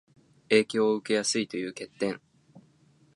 影響を受けやすいという欠点